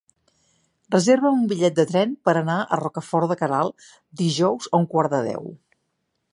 Reserva'm un bitllet de tren per anar a Rocafort de Queralt dijous a un quart de deu.